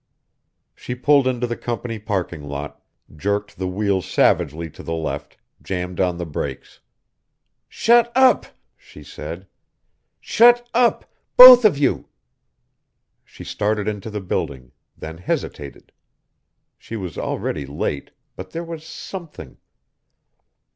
She pulled into the company parking lot, jerked the wheel savagely to the left, jammed on the brakes. "Shut up!" she said. "Shut up, both of you!" She started into the building, then hesitated. She was already late, but there was something....